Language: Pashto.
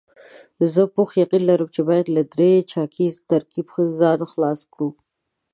زه پوخ یقین لرم چې باید له درې چارکیز ترکیب ځان خلاص کړو.